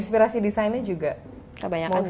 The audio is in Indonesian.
dan inspirasi desainnya juga mostly dari nature